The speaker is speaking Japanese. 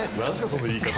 その言い方。